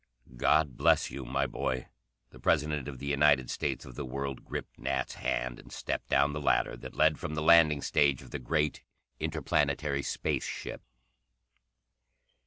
"God bless you, my boy!" The President of the United States of the World gripped Nat's hand and stepped down the ladder that led from the landing stage of the great interplanetary space ship.